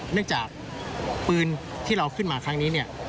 เนื่องจากปืนที่เราขึ้นมาครั้งนี้เนี่ย